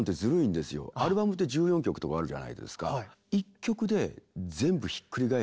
アルバムって１４曲とかあるじゃないですか。